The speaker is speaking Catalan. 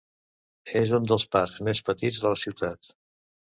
És un dels parcs més petits de la ciutat.